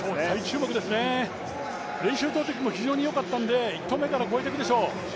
練習投てきも非常によかったので１投目から越えてくるでしょう。